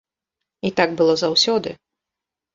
І так было заўсёды.